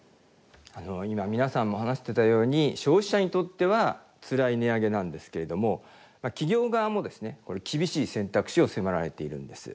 今皆さんも話してたように消費者にとってはつらい値上げなんですけれども企業側もですね厳しい選択肢を迫られているんです。